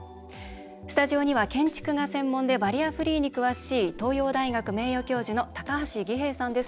スタジオには、建築が専門でバリアフリーに詳しい東洋大学名誉教授の高橋儀平さんです。